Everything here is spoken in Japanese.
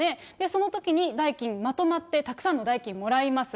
そのときに代金、まとまってたくさんの代金もらいます。